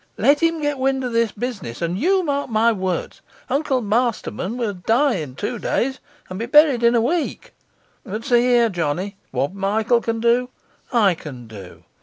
Let him get wind of this business, and you mark my words, Uncle Masterman will die in two days and be buried in a week. But see here, Johnny; what Michael can do, I can do.